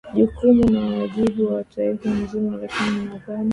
jukumu na wajibu wa taifa nzima lakini nadhani